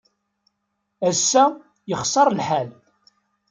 Ass-a, yexṣer lḥal.